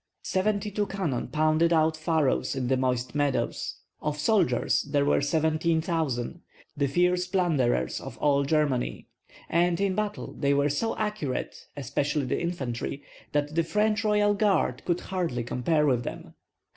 Seventy two cannon pounded out furrows in the moist meadows; of soldiers there were seventeen thousand, the fierce plunderers of all Germany, and in battle they were so accurate, especially the infantry, that the French royal guard could hardly compare with them.